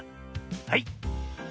はい。